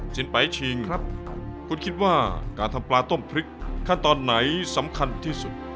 ไปชิงคุณคิดว่าการทำปลาต้มพริกขั้นตอนไหนสำคัญที่สุด